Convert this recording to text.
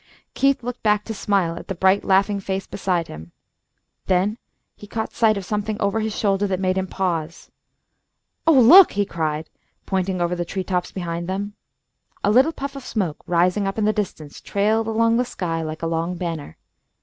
Keith looked back to smile at the bright laughing face beside him. Then he caught sight of something over his shoulder that made him pause. "Oh, look!" he cried, pointing over the tree tops behind them. A little puff of smoke, rising up in the distance, trailed along the sky like a long banner.